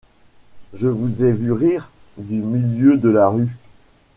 Je vous ai vu rire, du milieu de la rue. ..